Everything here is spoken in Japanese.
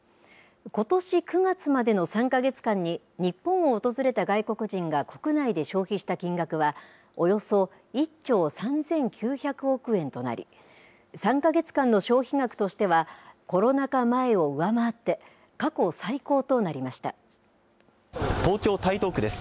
ことし９月までの３か月間に、日本を訪れた外国人が国内で消費した金額は、およそ１兆３９００億円となり、３か月間の消費額としてはコロナ禍前を上回って、過去最高となり東京・台東区です。